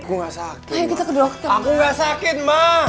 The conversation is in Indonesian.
aku enggak sakit ma